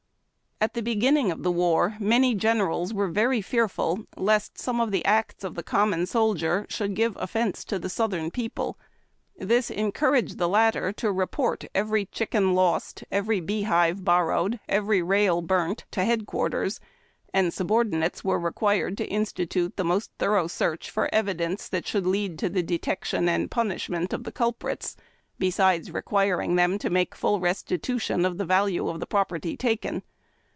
At the beginning of the war many generals were very fearful lest some of the acts of the common soldier should give offence to the Southern people. This encouraged the latter to report every chicken lost, every bee hive borrowed, every rail burnt, to headquarters, and subordinates were required to institute the most thorough search for evidence STRAPPED TO A STICK. OFFENCES AND PUNISHMENTS. 155 that should lead to the detection and punishment of the culprits, besides requiring them to make full restitution of the value of the property taken.